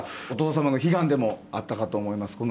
お父様の悲願でもあったかと思います。